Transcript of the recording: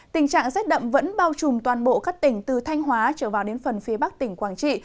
tình trạng rét đậm vẫn bao trùm toàn bộ các tỉnh từ thanh hóa trở vào đến phần phía bắc tỉnh quảng trị